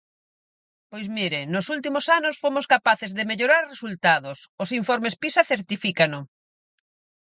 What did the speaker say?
Pois mire, nos últimos anos fomos capaces de mellorar resultados; os informes Pisa certifícano.